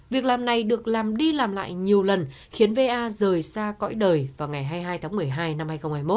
việc làm này được làm đi làm lại nhiều lần khiến va rời xa cõi đời vào ngày hai mươi hai tháng một mươi hai năm hai nghìn hai mươi một